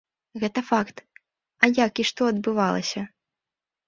Гэта факт, а як і што адбывалася?